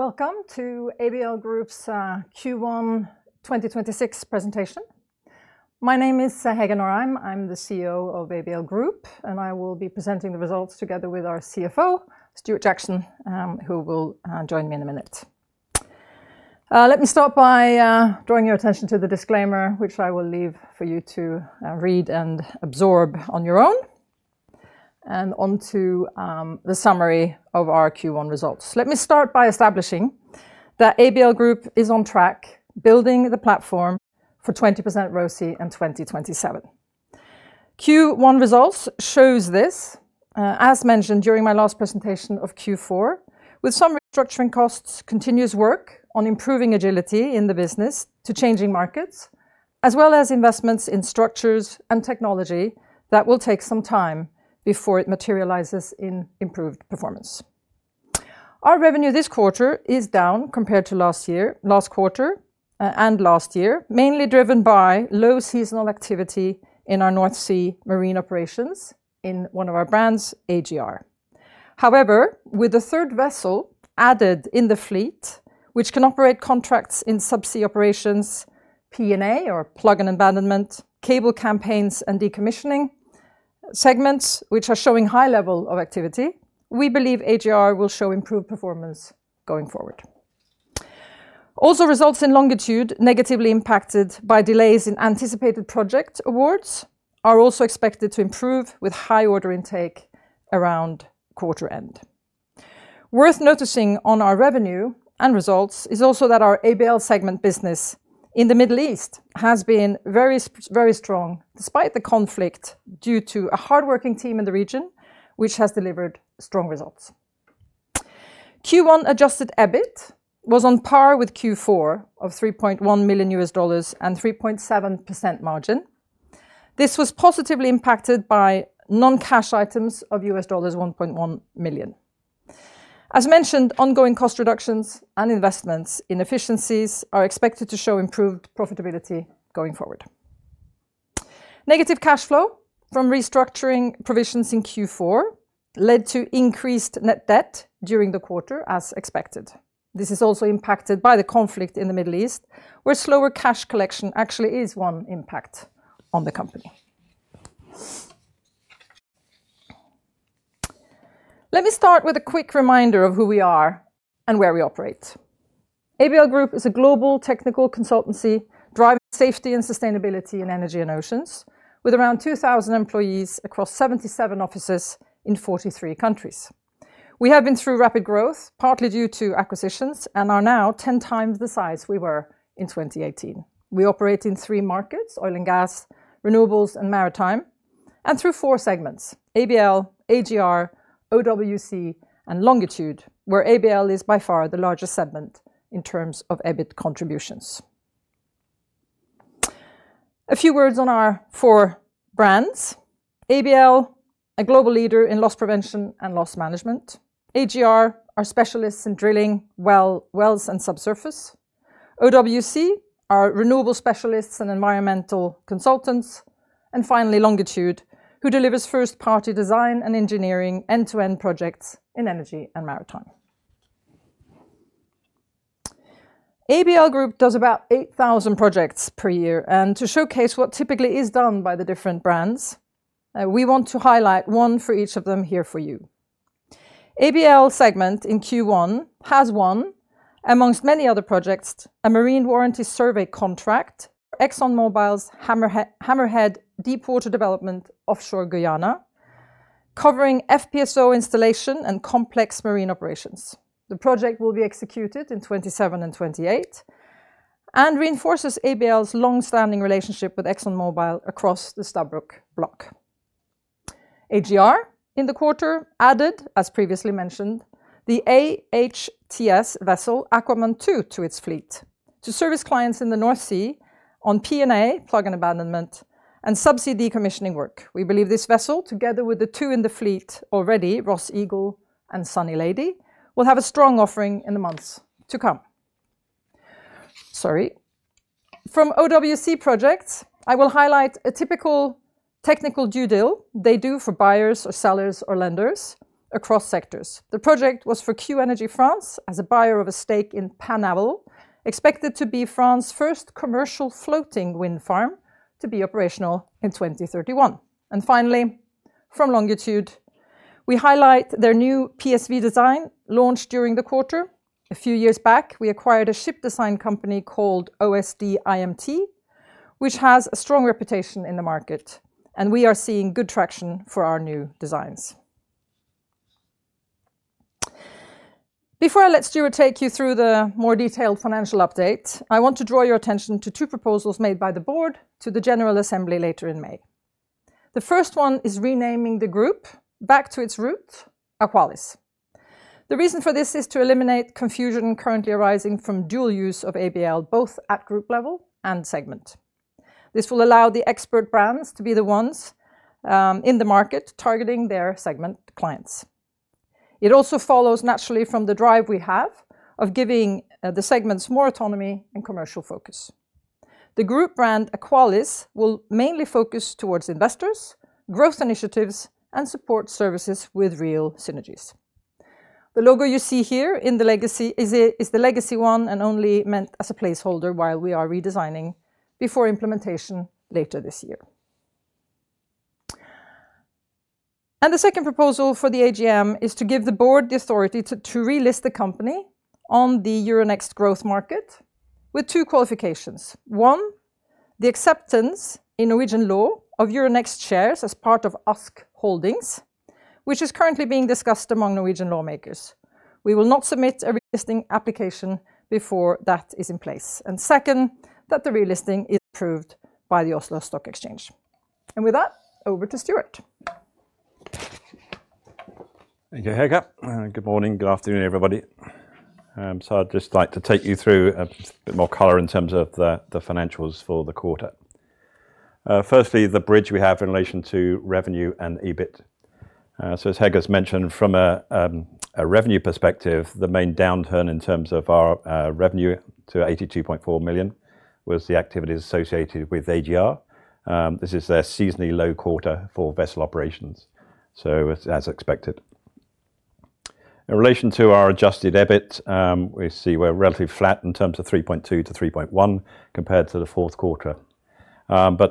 Welcome to ABL Group's Q1 2026 presentation. My name is Hege Norheim. I'm the CEO of ABL Group, and I will be presenting the results together with our CFO, Stuart Jackson, who will join me in a minute. Let me start by drawing your attention to the disclaimer, which I will leave for you to read and absorb on your own, and onto the summary of our Q1 results. Let me start by establishing that ABL Group is on track building the platform for 20% ROCE in 2027. Q1 results shows this, as mentioned during my last presentation of Q4, with some restructuring costs, continuous work on improving agility in the business to changing markets, as well as investments in structures and technology that will take some time before it materializes in improved performance. Our revenue this quarter is down compared to last year, last quarter, and last year, mainly driven by low seasonal activity in our North Sea marine operations in one of our brands, AGR. However, with the third vessel added in the fleet, which can operate contracts in sub-sea operations, P&A or plug and abandonment, cable campaigns, and decommissioning segments which are showing high level of activity, we believe AGR will show improved performance going forward. Also results in Longitude negatively impacted by delays in anticipated project awards are also expected to improve with high-order intake around quarter end. Worth noticing on our revenue and results is also that our ABL segment business in the Middle East has been very strong despite the conflict, due to a hardworking team in the region which has delivered strong results. Q1 adjusted EBIT was on par with Q4 of $3.1 million and 3.7% margin. This was positively impacted by non-cash items of $1.1 million. As mentioned, ongoing cost reductions and investments in efficiencies are expected to show improved profitability going forward. Negative cash flow from restructuring provisions in Q4 led to increased net debt during the quarter as expected. This is also impacted by the conflict in the Middle East, where slower cash collection actually is one impact on the company. Let me start with a quick reminder of who we are and where we operate. ABL Group is a global technical consultancy driving safety and sustainability in energy and oceans, with around 2,000 employees across 77 offices in 43 countries. We have been through rapid growth, partly due to acquisitions, and are now 10x the size we were in 2018. We operate in three markets, oil and gas, renewables, and maritime, and through four segments, ABL, AGR, OWC, and Longitude, where ABL is by far the largest segment in terms of EBIT contributions. A few words on our four brands. ABL, a global leader in loss prevention and loss management. AGR are specialists in drilling well and subsurface. OWC are renewable specialists and environmental consultants, and finally, Longitude, who delivers third-party design and engineering end-to-end projects in energy and maritime. ABL Group does about 8,000 projects per year. To showcase what typically is done by the different brands, we want to highlight one for each of them here for you. ABL segment in Q1 has won, amongst many other projects, a marine warranty survey contract, ExxonMobil's Hammerhead Deepwater development offshore Guyana, covering FPSO installation and complex marine operations. The project will be executed in 2027 and 2028 and reinforces ABL's long-standing relationship with ExxonMobil across the Stabroek block. AGR in the quarter added, as previously mentioned, the AHTS vessel Aquaman II to its fleet to service clients in the North Sea on P&A, plug and abandonment, and subsea decommissioning work. We believe this vessel, together with the two in the fleet already, Ross Eagle and Sunny Lady, will have a strong offering in the months to come. Sorry. From OWC projects, I will highlight a typical technical due dil they do for buyers or sellers or lenders across sectors. The project was for Q ENERGY France as a buyer of a stake in Pennavel, expected to be France's first commercial floating wind farm to be operational in 2031. Finally, from Longitude, we highlight their new PSV design launched during the quarter. A few years back, we acquired a ship design company called OSD-IMT, which has a strong reputation in the market, and we are seeing good traction for our new designs. Before I let Stuart take you through the more detailed financial update, I want to draw your attention to two proposals made by the board to the general assembly later in May. The first one is renaming the group back to its root, Aqualis. The reason for this is to eliminate confusion currently arising from dual use of ABL, both at group level and segment. This will allow the expert brands to be the ones in the market targeting their segment clients. It also follows naturally from the drive we have of giving the segments more autonomy and commercial focus. The group brand Aqualis will mainly focus towards investors, growth initiatives, and support services with real synergies. The logo you see here in the legacy is the legacy one and only meant as a placeholder while we are redesigning before implementation later this year. The second proposal for the AGM is to give the board the authority to relist the company on the Euronext Growth Market with two qualifications. One, the acceptance in Norwegian law of Euronext shares as part of ASK Holdings, which is currently being discussed among Norwegian lawmakers. We will not submit a relisting application before that is in place. Second, that the relisting is approved by the Oslo Stock Exchange. With that, over to Stuart. Thank you, Hege. Good morning, good afternoon, everybody. I'd just like to take you through a bit more color in terms of the financials for the quarter. Firstly, the bridge we have in relation to revenue and EBIT. As Hege's mentioned, from a revenue perspective, the main downturn in terms of our revenue to 82.4 million was the activities associated with AGR. This is their seasonally low quarter for vessel operations, so it's as expected. In relation to our adjusted EBIT, we see we're relatively flat in terms of 3.2 to 3.1 compared to the fourth quarter.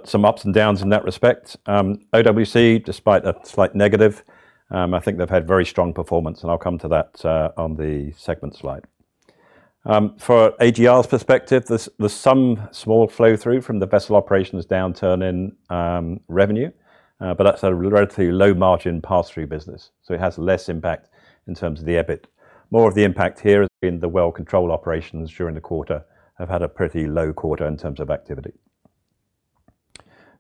Some ups and downs in that respect. OWC, despite a slight negative, I think they've had very strong performance, and I'll come to that on the segment slide. For AGR's perspective, there's some small flow-through from the vessel operations downturn in revenue. But that's a relatively low margin pass-through business, so it has less impact in terms of the EBIT. More of the impact here has been the well control operations during the quarter have had a pretty low quarter in terms of activity.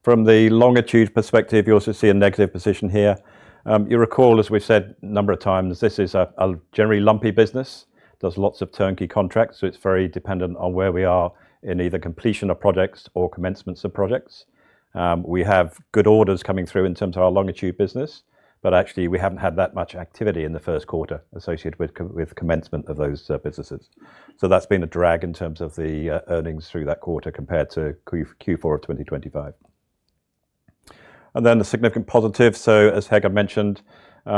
From the Longitude perspective, you also see a negative position here. You recall, as we've said a number of times, this is a generally lumpy business. There's lots of turnkey contracts, so it's very dependent on where we are in either completion of projects or commencements of projects. We have good orders coming through in terms of our Longitude business, but actually we haven't had that much activity in the first quarter associated with commencement of those businesses. That's been a drag in terms of the earnings through that quarter compared to Q4 of 2025. The significant positive, as Hege mentioned,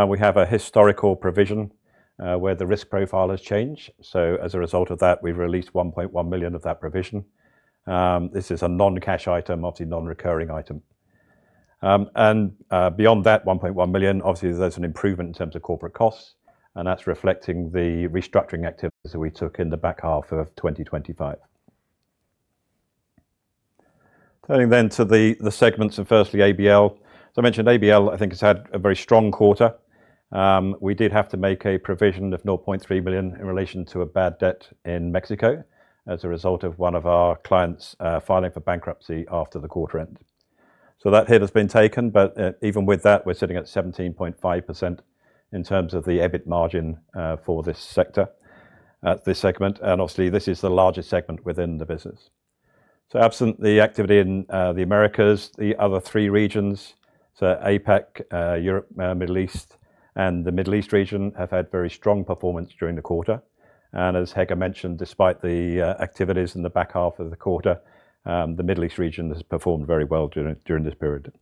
we have a historical provision where the risk profile has changed. As a result of that, we've released 1.1 million of that provision. This is a non-cash item, obviously non-recurring item. Beyond that 1.1 million, obviously there's an improvement in terms of corporate costs, and that's reflecting the restructuring activities that we took in the back half of 2025. Turning to the segments and firstly ABL. As I mentioned, ABL I think has had a very strong quarter. We did have to make a provision of 0.3 million in relation to a bad debt in Mexico as a result of one of our clients filing for bankruptcy after the quarter-end. That hit has been taken, but even with that, we're sitting at 17.5% in terms of the EBIT margin for this sector, this segment, and obviously this is the largest segment within the business. Absent the activity in the Americas, the other three regions, APAC, Europe, Middle East, and the Middle East region have had very strong performance during the quarter. As Hege mentioned, despite the activities in the back half of the quarter, the Middle East region has performed very well during this period.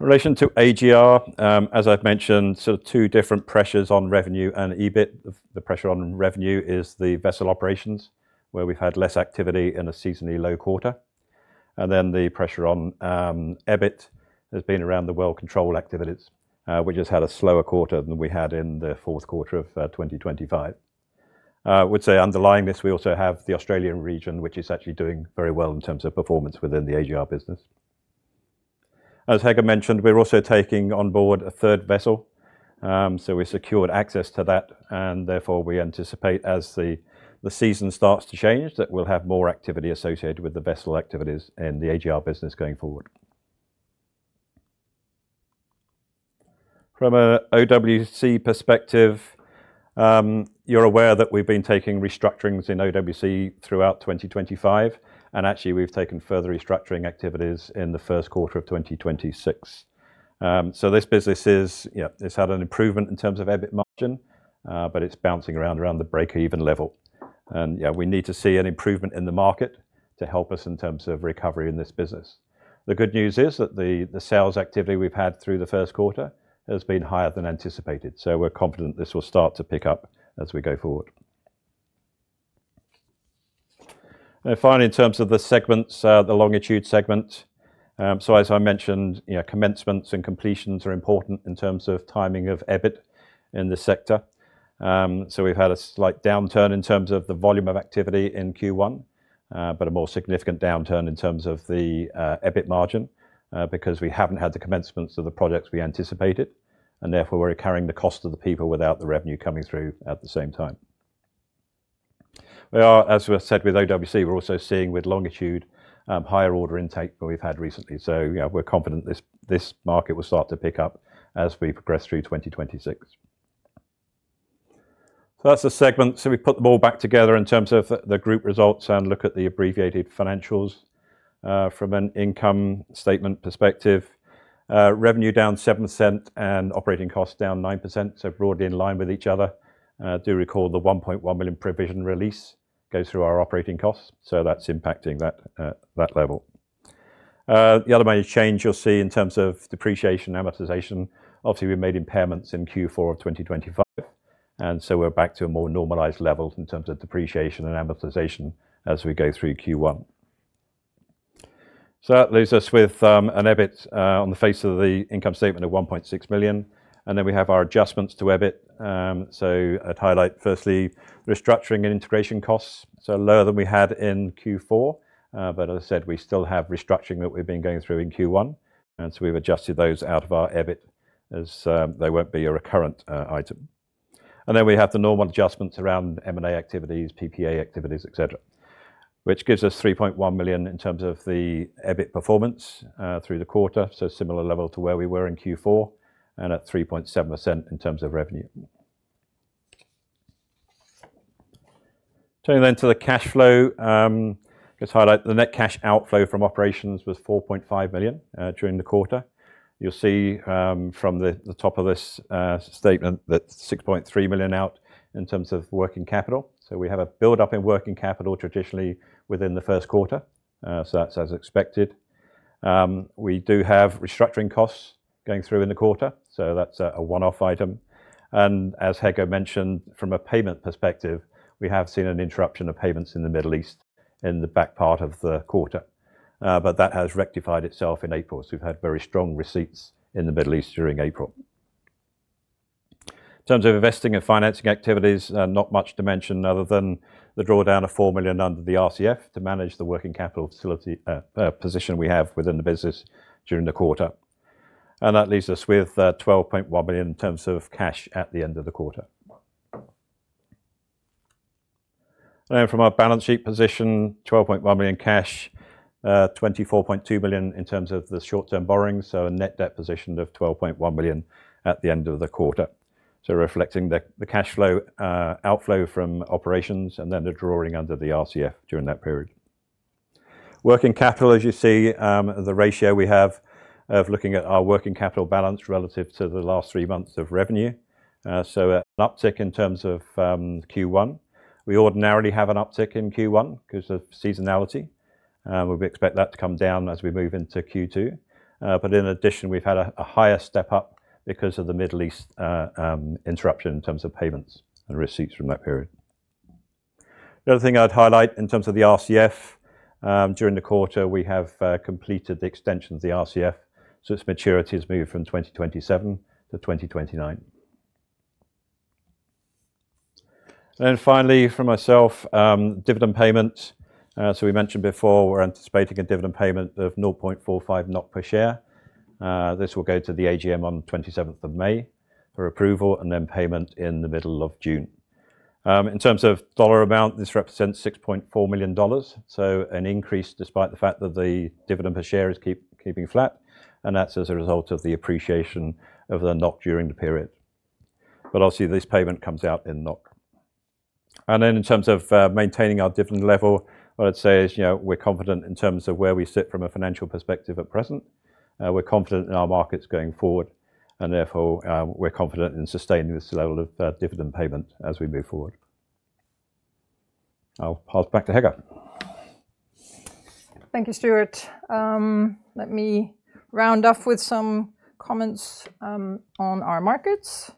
In relation to AGR, as I've mentioned, sort of two different pressures on revenue and EBIT. The pressure on revenue is the vessel operations, where we've had less activity and a seasonally low quarter. The pressure on EBIT has been around the well control activities. We just had a slower quarter than we had in the fourth quarter of 2025. I would say underlying this, we also have the Australian region, which is actually doing very well in terms of performance within the AGR business. As Hege mentioned, we're also taking on board a third vessel. We secured access to that, we anticipate as the season starts to change, that we'll have more activity associated with the vessel activities in the AGR business going forward. From an OWC perspective, you're aware that we've been taking restructurings in OWC throughout 2025, and actually we've taken further restructuring activities in the first quarter of 2026. This business is, you know, it's had an improvement in terms of EBIT margin, but it's bouncing around the breakeven level. Yeah, we need to see an improvement in the market to help us in terms of recovery in this business. The good news is that the sales activity we've had through the first quarter has been higher than anticipated, so we're confident this will start to pick up as we go forward. Finally, in terms of the segments, the Longitude segment. As I mentioned, you know, commencements and completions are important in terms of timing of EBIT in this sector. We've had a slight downturn in terms of the volume of activity in Q1, but a more significant downturn in terms of the EBIT margin, because we haven't had the commencements of the projects we anticipated, and therefore we're incurring the cost of the people without the revenue coming through at the same time. We are, as we said with OWC, we're also seeing with Longitude, higher order intake than we've had recently. you know, we're confident this market will start to pick up as we progress through 2026. That's the segment. We put them all back together in terms of the group results and look at the abbreviated financials. From an income statement perspective, revenue down 7% and operating costs down 9%, so broadly in line with each other. Do recall the 1.1 million provision release goes through our operating costs, so that's impacting that level. The other major change you'll see in terms of depreciation, amortization, obviously we made impairments in Q4 of 2025, we're back to a more normalized level in terms of depreciation and amortization as we go through Q1. That leaves us with an EBIT on the face of the income statement of 1.6 million, we have our adjustments to EBIT. I'd highlight firstly restructuring and integration costs, so lower than we had in Q4, as I said, we still have restructuring that we've been going through in Q1, we've adjusted those out of our EBIT as they won't be a recurrent item. We have the normal adjustments around M&A activities, PPA activities, et cetera, which gives us 3.1 million in terms of the EBIT performance through the quarter, so similar level to where we were in Q4 and at 3.7% in terms of revenue. Turning to the cash flow, just highlight the net cash outflow from operations was 4.5 million during the quarter. You'll see from the top of this statement that 6.3 million out in terms of working capital. We have a buildup in working capital traditionally within the first quarter, so that's as expected. We do have restructuring costs going through in the quarter, so that's a one-off item. As Hege mentioned, from a payment perspective, we have seen an interruption of payments in the Middle East in the back part of the quarter, but that has rectified itself in April, so we've had very strong receipts in the Middle East during April. In terms of investing and financing activities, not much to mention other than the drawdown of 4 million under the RCF to manage the working capital facility position we have within the business during the quarter. That leaves us with 12.1 million in terms of cash at the end of the quarter. From our balance sheet position, 12.1 million cash, 24.2 billion in terms of the short-term borrowing, so a net debt position of 12.1 billion at the end of the quarter. Reflecting the cash flow outflow from operations and then the drawing under the RCF during that period. Working capital, as you see, the ratio we have of looking at our working capital balance relative to the last three months of revenue, an uptick in terms of Q1. We ordinarily have an uptick in Q1 because of seasonality. We expect that to come down as we move into Q2. In addition, we've had a higher step up because of the Middle East interruption in terms of payments and receipts from that period. The other thing I'd highlight in terms of the RCF, during the quarter, we have completed the extension of the RCF, its maturity has moved from 2027 to 2029. Finally from myself, dividend payment. We mentioned before we're anticipating a dividend payment of 0.45 NOK per share. This will go to the AGM on 27th of May for approval and then payment in the middle of June. In terms of dollar amount, this represents $6.4 million, an increase despite the fact that the dividend per share is keeping flat, and that's as a result of the appreciation of the NOK during the period. Obviously, this payment comes out in NOK. In terms of maintaining our dividend level, what I'd say is, you know, we're confident in terms of where we sit from a financial perspective at present. We're confident in our markets going forward and therefore, we're confident in sustaining this level of dividend payment as we move forward. I'll pass back to Hege. Thank you, Stuart. Let me round off with some comments on our markets.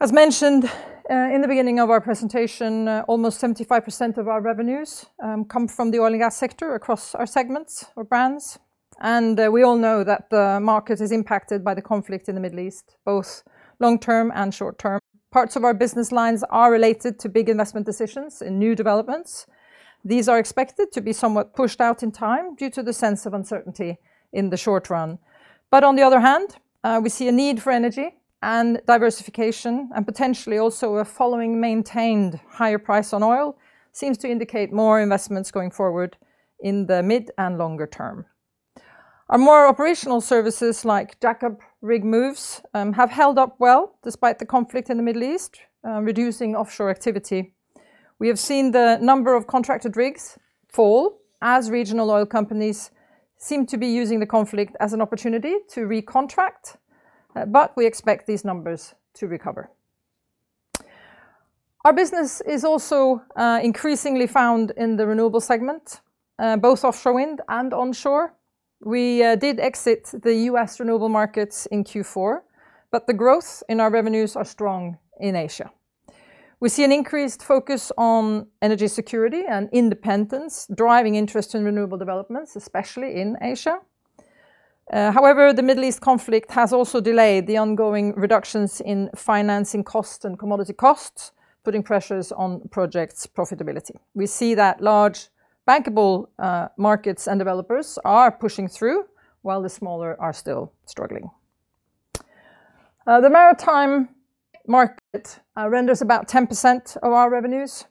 As mentioned, in the beginning of our presentation, almost 75% of our revenues come from the oil and gas sector across our segments or brands. We all know that the market is impacted by the conflict in the Middle East, both long-term and short-term. Parts of our business lines are related to big investment decisions and new developments. These are expected to be somewhat pushed out in time due to the sense of uncertainty in the short run. On the other hand, we see a need for energy and diversification, and potentially also a following maintained higher price on oil seems to indicate more investments going forward in the mid and longer term. Our more operational services like jackup rig moves have held up well despite the conflict in the Middle East reducing offshore activity. We have seen the number of contracted rigs fall as regional oil companies seem to be using the conflict as an opportunity to recontract. We expect these numbers to recover. Our business is also increasingly found in the renewable segment, both offshore wind and onshore. We did exit the U.S. renewable markets in Q4. The growth in our revenues are strong in Asia. We see an increased focus on energy security and independence driving interest in renewable developments, especially in Asia. The Middle East conflict has also delayed the ongoing reductions in financing costs and commodity costs, putting pressures on projects profitability. We see that large bankable markets and developers are pushing through while the smaller are still struggling. The maritime market renders about 10% of our revenues,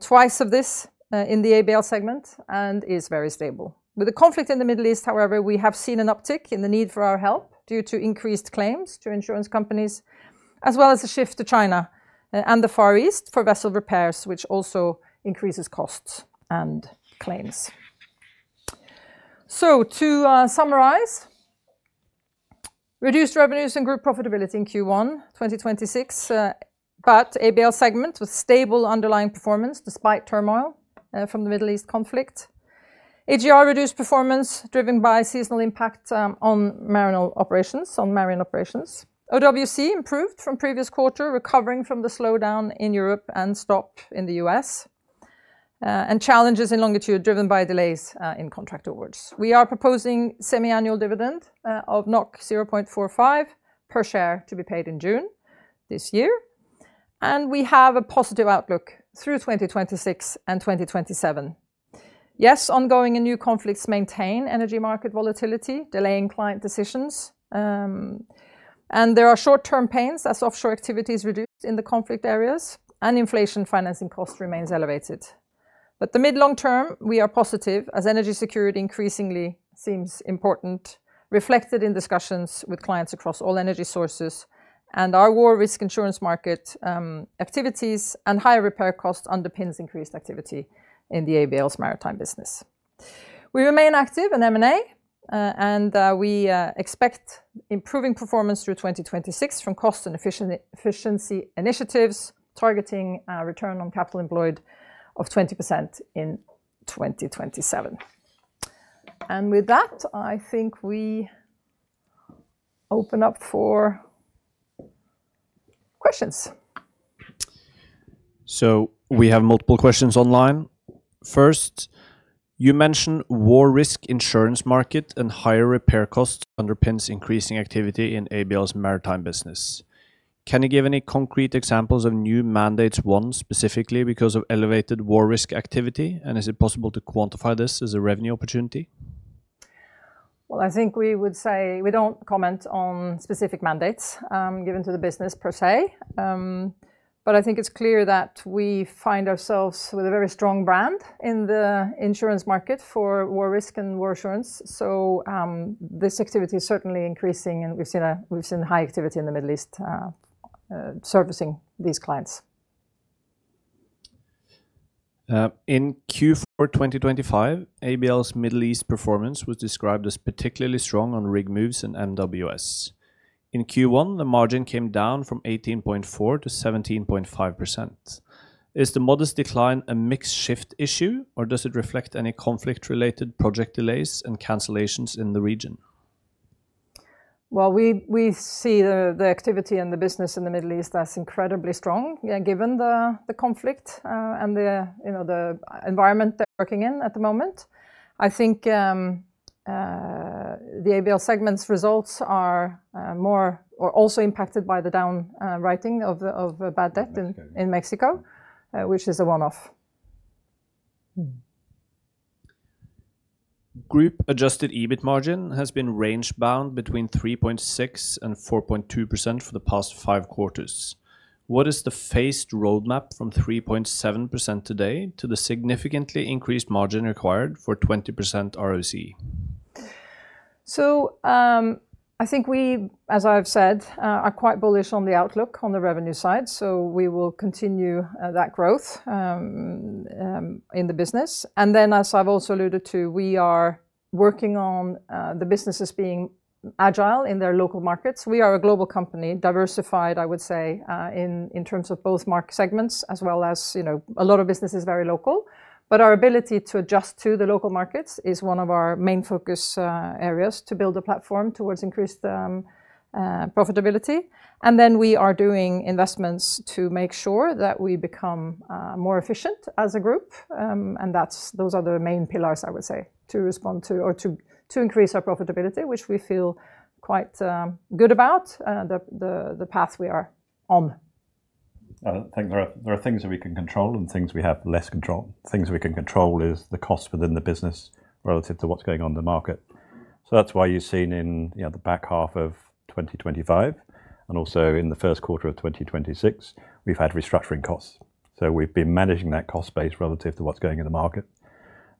twice of this in the ABL segment and is very stable. With the conflict in the Middle East, however, we have seen an uptick in the need for our help due to increased claims to insurance companies, as well as a shift to China. The Far East for vessel repairs, which also increases costs and claims. To summarize, reduced revenues and group profitability in Q1 2026, but ABL segment was stable underlying performance despite turmoil from the Middle East conflict. AGR reduced performance driven by seasonal impact on marine operations. OWC improved from previous quarter, recovering from the slowdown in Europe and stop in the U.S., and challenges in Longitude driven by delays in contract awards. We are proposing semi-annual dividend of 0.45 per share to be paid in June this year, and we have a positive outlook through 2026 and 2027. Yes, ongoing and new conflicts maintain energy market volatility, delaying client decisions. There are short-term pains as offshore activity is reduced in the conflict areas and inflation financing cost remains elevated. The mid-long term, we are positive as energy security increasingly seems important, reflected in discussions with clients across all energy sources and our war risk insurance market activities and higher repair cost underpins increased activity in the ABL's maritime business. We remain active in M&A, and we expect improving performance through 2026 from cost and efficiency initiatives targeting Return on Capital Employed of 20% in 2027. With that, I think we open up for questions. We have multiple questions online. First, you mentioned war risk insurance market and higher repair costs underpins increasing activity in ABL's maritime business. Can you give any concrete examples of new mandates won specifically because of elevated war risk activity, and is it possible to quantify this as a revenue opportunity? I think we would say we don't comment on specific mandates given to the business per se. I think it's clear that we find ourselves with a very strong brand in the insurance market for war risk and war insurance. This activity is certainly increasing, and we've seen high activity in the Middle East servicing these clients. In Q4 2025, ABL's Middle East performance was described as particularly strong on rig moves and MWS. In Q1, the margin came down from 18.4% to 17.5%. Is the modest decline a mix shift issue, or does it reflect any conflict-related project delays and cancellations in the region? Well, we see the activity in the business in the Middle East as incredibly strong, yeah, given the conflict and the, you know, the environment they're working in at the moment. I think the ABL segment's results are more or also impacted by the down writing of bad debt in Mexico, which is a one-off. Group adjusted EBIT margin has been range bound between 3.6% and 4.2% for the past 5 quarters. What is the phased roadmap from 3.7% today to the significantly increased margin required for 20% ROCE? I think we, as I've said, are quite bullish on the outlook on the revenue side, so we will continue that growth in the business. As I've also alluded to, we are working on the businesses being agile in their local markets. We are a global company, diversified, I would say, in terms of both market segments as well as, you know, a lot of business is very local. Our ability to adjust to the local markets is one of our main focus areas to build a platform towards increased profitability. We are doing investments to make sure that we become more efficient as a group. Those are the main pillars I would say to respond to or to increase our profitability, which we feel quite good about the path we are on. I think there are things that we can control and things we have less control. Things we can control is the cost within the business relative to what's going on in the market. That's why you've seen in, you know, the back half of 2025 and also in the first quarter of 2026, we've had restructuring costs. We've been managing that cost base relative to what's going in the market.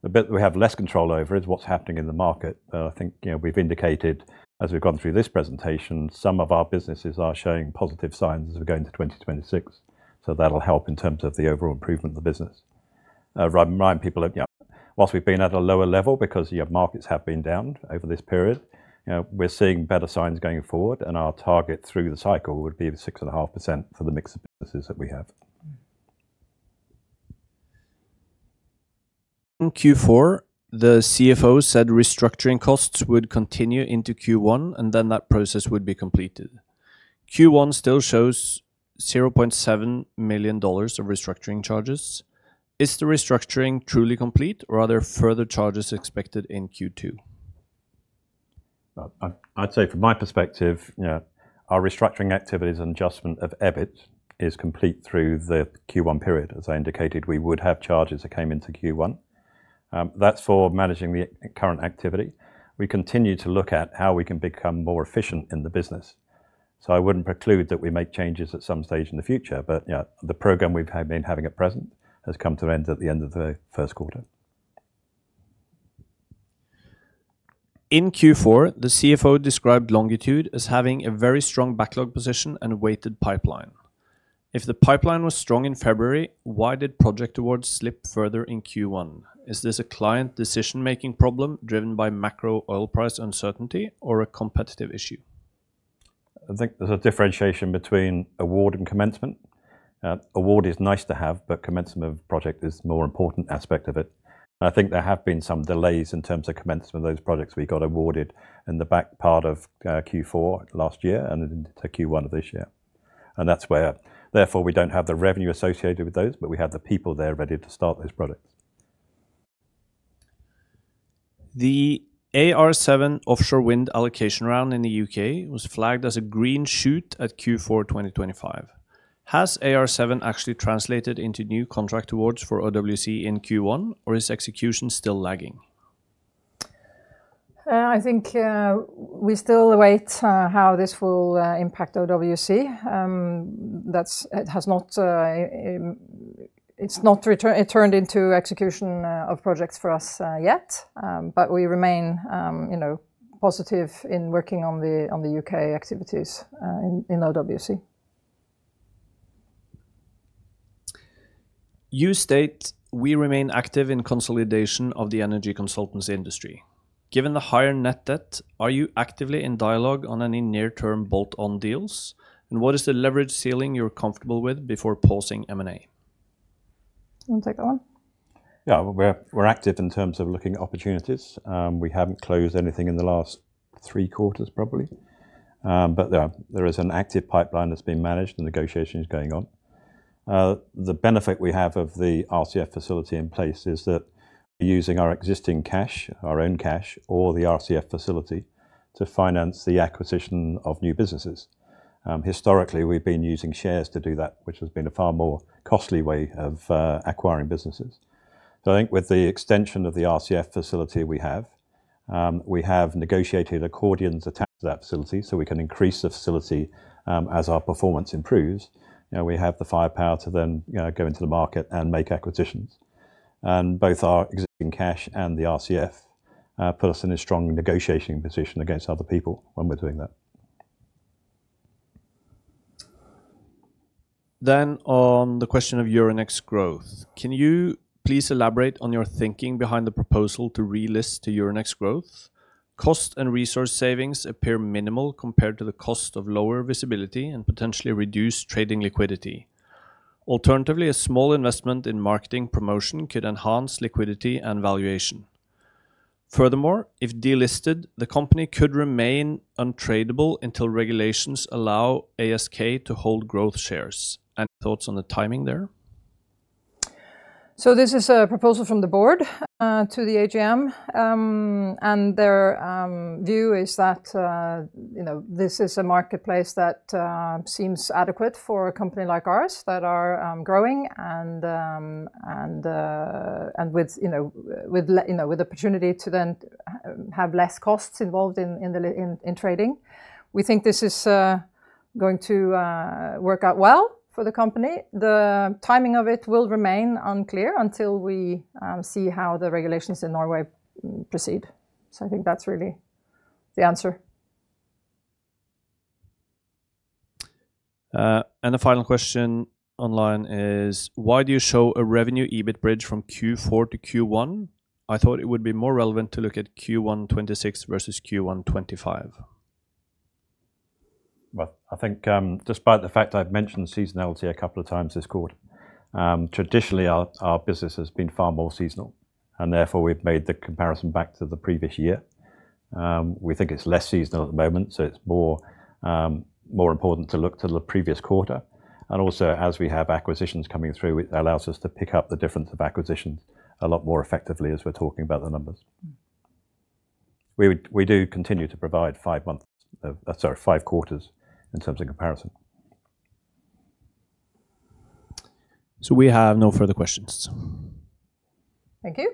The bit we have less control over is what's happening in the market. I think, you know, we've indicated as we've gone through this presentation, some of our businesses are showing positive signs as we go into 2026, so that'll help in terms of the overall improvement of the business. Remind people that, you know, whilst we've been at a lower level because, you know, markets have been down over this period, you know, we're seeing better signs going forward, and our target through the cycle would be the 6.5% for the mix of businesses that we have. In Q4, the CFO said restructuring costs would continue into Q1. That process would be completed. Q1 still shows $0.7 million of restructuring charges. Is the restructuring truly complete, or are there further charges expected in Q2? I'd say from my perspective, you know, our restructuring activities and adjustment of EBIT is complete through the Q1 period. That's for managing the current activity. We continue to look at how we can become more efficient in the business. I wouldn't preclude that we make changes at some stage in the future, but you know, the program we've been having at present has come to an end at the end of the first quarter. In Q4, the CFO described Longitude as having a very strong backlog position and a weighted pipeline. If the pipeline was strong in February, why did project awards slip further in Q1? Is this a client decision-making problem driven by macro oil price uncertainty or a competitive issue? I think there's a differentiation between award and commencement. Award is nice to have, but commencement of project is the more important aspect of it. I think there have been some delays in terms of commencement of those projects we got awarded in the back part of Q4 last year and into Q1 of this year. That's where therefore we don't have the revenue associated with those, but we have the people there ready to start those projects. The AR7 offshore wind allocation round in the U.K. was flagged as a green shoot at Q4 2025. Has AR7 actually translated into new contract awards for OWC in Q1, or is execution still lagging? I think we still await how this will impact OWC. That's it has not turned into execution of projects for us yet. We remain, you know, positive in working on the U.K. activities in OWC. You state, "We remain active in consolidation of the energy consultants industry." Given the higher net debt, are you actively in dialogue on any near-term bolt-on deals? What is the leverage ceiling you're comfortable with before pausing M&A? Wanna take that one? Yeah. We're active in terms of looking at opportunities. We haven't closed anything in the last three quarters probably. There is an active pipeline that's being managed and negotiation is going on. The benefit we have of the RCF facility in place is that using our existing cash, our own cash or the RCF facility to finance the acquisition of new businesses. Historically, we've been using shares to do that, which has been a far more costly way of acquiring businesses. I think with the extension of the RCF facility we have, we have negotiated accordions attached to that facility, so we can increase the facility as our performance improves. You know, we have the firepower to then go into the market and make acquisitions. Both our existing cash and the RCF put us in a strong negotiating position against other people when we're doing that. On the question of Euronext Growth. Can you please elaborate on your thinking behind the proposal to relist to Euronext Growth? Cost and resource savings appear minimal compared to the cost of lower visibility and potentially reduced trading liquidity. Alternatively, a small investment in marketing promotion could enhance liquidity and valuation. Furthermore, if delisted, the company could remain untradeable until regulations allow ASK to hold growth shares. Any thoughts on the timing there? This is a proposal from the board to the AGM. Their view is that this is a marketplace that seems adequate for a company like ours that are growing and with opportunity to then have less costs involved in trading. We think this is going to work out well for the company. The timing of it will remain unclear until we see how the regulations in Norway proceed. I think that's really the answer. The final question online is, why do you show a revenue EBIT bridge from Q4 to Q1? I thought it would be more relevant to look at Q1 2026 versus Q1 2025. Well, I think, despite the fact I've mentioned seasonality 2x this quarter, traditionally our business has been far more seasonal, and therefore we've made the comparison back to the previous year. We think it's less seasonal at the moment, so it's more important to look to the previous quarter. As we have acquisitions coming through, it allows us to pick up the difference of acquisitions a lot more effectively as we're talking about the numbers. We do continue to provide month months of, sorry, 5 quarters in terms of comparison. We have no further questions. Thank you.